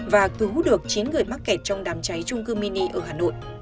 và cứu được chín người mắc kẹt trong đám cháy trung cư mini ở hà nội